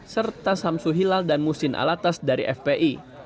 serta samsu hilal dan musin alatas dari fpi